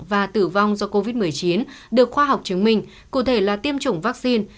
và tử vong do covid một mươi chín được khoa học chứng minh cụ thể là tiêm chủng vaccine